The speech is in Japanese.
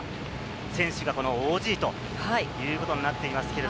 選手がＯＧということになっていますが。